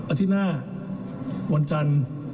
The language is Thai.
อาทิตย์หน้าวันจันทร์